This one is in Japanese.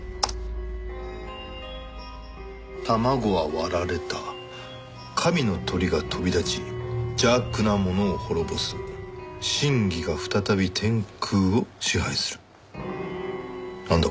「卵は割られた」「神の鳥が飛び立ち邪悪な物を滅ぼす」「神義が再び天空を支配する」なんだ？